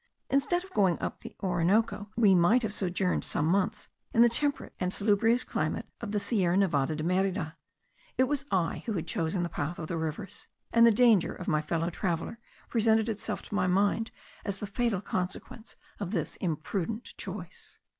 Instead of going up the Orinoco we might have sojourned some months in the temperate and salubrious climate of the Sierra Nevada de Merida. It was I who had chosen the path of the rivers; and the danger of my fellow traveller presented itself to my mind as the fatal consequence of this imprudent choice.